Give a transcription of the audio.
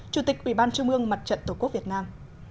chủ tịch ubnd mặt trận tổ quốc việt nam